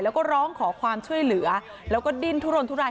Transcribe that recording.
แล้วก็ร้องขอความช่วยเหลือแล้วก็ดิ้นทุรนทุราย